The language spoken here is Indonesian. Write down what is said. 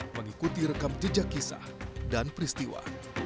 mengikuti rekam jejak kisah dan peristiwa